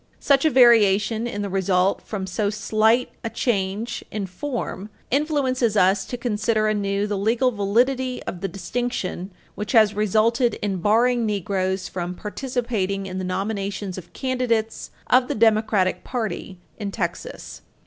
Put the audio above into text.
Such a variation in the result from so slight a change in form influences us to consider anew the legal validity of the distinction which has resulted in barring Negroes from participating in the nominations of candidates of the Democratic party in Texas.